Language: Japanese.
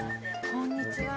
こんにちは。